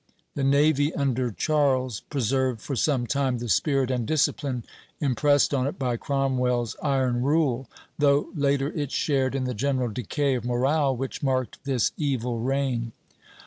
The navy under Charles preserved for some time the spirit and discipline impressed on it by Cromwell's iron rule; though later it shared in the general decay of morale which marked this evil reign.